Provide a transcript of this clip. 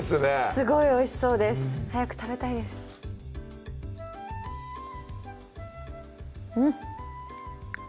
すごいおいしそうです早く食べたいですうん！